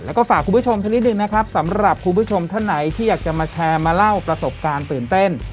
แล้วก็ฝากคุณผู้ชมสักนิดนึงนะครับสำหรับคุณผู้ชมท่านไหนที่อยากจะมาแชร์มาเล่าประสบการณ์ตื่นเต้น